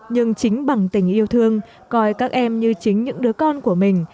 nhưng chính bằng tình yêu thương coi các em như chính những đứa con của mình